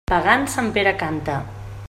Pagant, sant Pere canta.